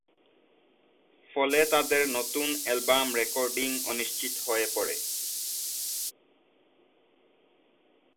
ফলে তাদের নতুন অ্যালবাম রেকর্ডিং অনিশ্চিত হয়ে পড়ে।